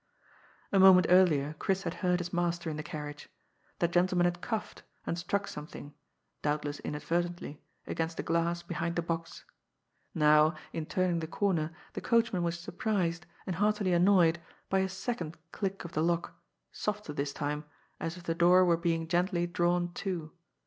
A moment earlier Chris had heard his master in the carriage. That gentleman had coughed, and struck some thing, doubtless inadvertently, against the glass behind the box. Now, in turning the comer, the coachman was sur prised, and heartily annoyed, by a second click of the lock, softer this time, as if the door were being gently drawn to.